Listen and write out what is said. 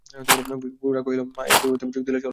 গোরা কহিল, মা, এ বিবাহে তুমি যোগ দিলে চলবে না।